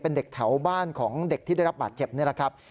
เป็นเด็กแถวบ้านของเด็กที่ได้รับบาดเจ็บนี่แหละครับ